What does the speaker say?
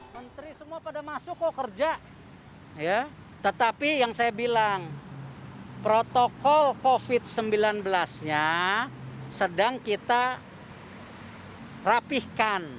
menteri semua pada masuk kok kerja tetapi yang saya bilang protokol covid sembilan belas nya sedang kita rapihkan